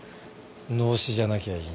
脳死じゃなきゃいいな。